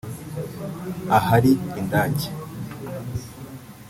ahari indake